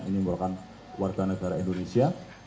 ini merupakan warga negara indonesia